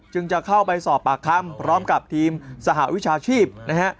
จะเข้าไปสอบปากคำพร้อมกับทีมสหวิชาชีพนะฮะ